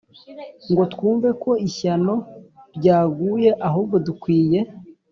ngo twumve ko ishyano ryaguye ; ahubwo dukwiye